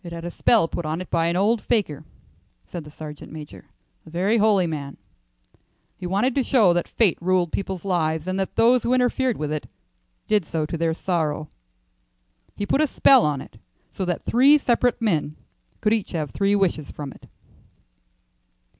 "It had a spell put on it by an old fakir," said the sergeant major, "a very holy man. He wanted to show that fate ruled people's lives, and that those who interfered with it did so to their sorrow. He put a spell on it so that three separate men could each have three wishes from it."